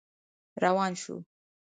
روان شو.